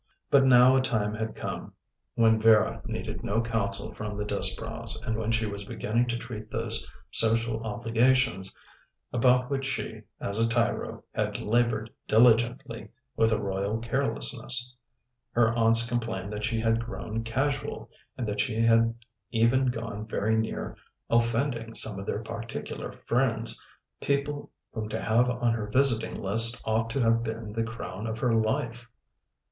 But now a time had come when Vera needed no counsel from the Disbrowes, and when she was beginning to treat those social obligations about which she, as a tyro, had laboured diligently, with a royal carelessness. Her aunts complained that she had grown casual, and that she had even gone very near offending some of their particular friends, people whom to have on her visiting list ought to have been the crown of her life.